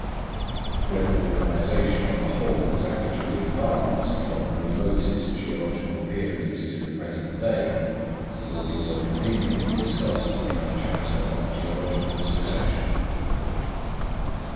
Whether organisation on the whole has actually advanced from the remotest geological periods to the present day will be more conveniently discussed in our chapter on Geological Succession.